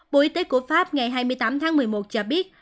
bộ y tế của pháp ngày hai mươi tám tháng một mươi một cho biết